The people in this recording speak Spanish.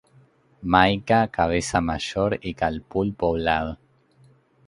Maika- Cabeza Mayor, y Calpul-Poblado.